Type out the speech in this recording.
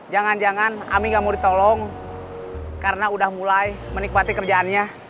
jangan jangan ami gak mau ditolong karena udah mulai menikmati kerjaannya